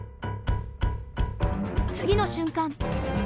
次の瞬間！